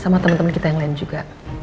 sama temen temen kita yang lain juga